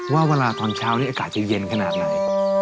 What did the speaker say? ว่าเวลาตอนเช้านี้อากาศจะเย็นขนาดไหน